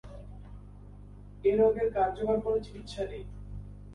এই রোগের কার্যকর কোনও চিকিৎসা নেই।